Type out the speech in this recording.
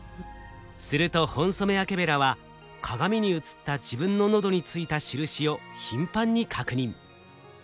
するとホンソメワケベラは鏡に映った自分の喉についた印を頻繁に確認。